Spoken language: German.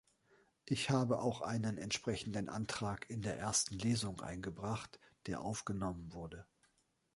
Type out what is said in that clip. Ich habe auch einen entsprechenden Antrag in der ersten Lesung eingebracht, der aufgenommen wurde.